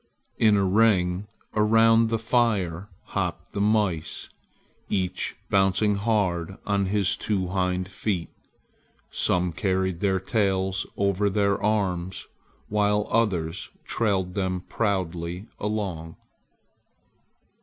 In a ring around the fire hopped the mice, each bouncing hard on his two hind feet. Some carried their tails over their arms, while others trailed them proudly along.